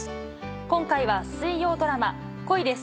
今回は水曜ドラマ『恋です！